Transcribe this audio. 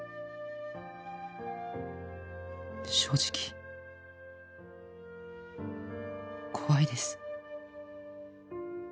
「正直」「怖いです」